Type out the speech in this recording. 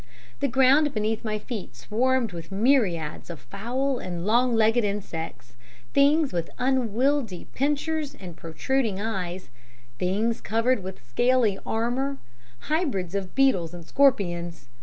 The ground beneath my feet swarmed with myriads of foul and long legged insects, things with unwieldy pincers and protruding eyes; things covered with scaly armour; hybrids of beetles and scorpions.